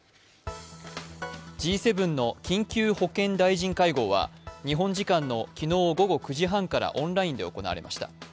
Ｇ７の緊急保健大臣会合は日本時間の昨日午後９時半からオンラインで行われました。